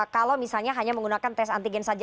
kalau misalnya hanya menggunakan tes antigen saja